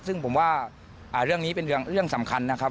ซึ่งผมว่าเรื่องนี้เป็นเรื่องสำคัญนะครับ